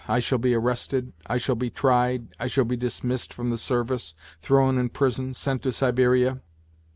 I shall be arrested, I shall be tried, I shall be dismissed from the service, 'thrown in prison, sent to Siberia.